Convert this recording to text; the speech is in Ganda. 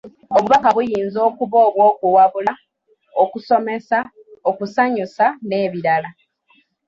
Obubaka buyinza okuba obw'okuwabula, okusomesa, okusanyusa n'ebirala.